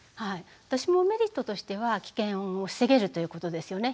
私もメリットとしては危険を防げるということですよね。